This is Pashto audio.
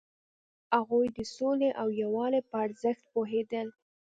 هغوی د سولې او یووالي په ارزښت پوهیدل.